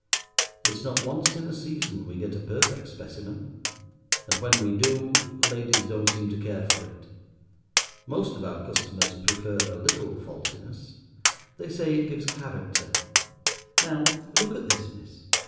It's not once in a season we get a perfect specimen; and when we do ladies don't seem to care for it. Most of our customers prefer a little faultiness. They say it gives character. Now, look at this, miss.